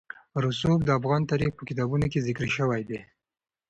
رسوب د افغان تاریخ په کتابونو کې ذکر شوي دي.